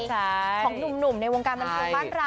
ของหนุ่มในวงการบรรทุนพรรดา